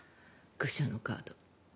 愚者のカード。